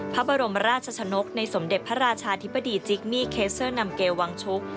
พระบรมราชชนกในสมเด็จพระราชาธิบดีจิกมี่เคสเซอร์นำเกลวังชุก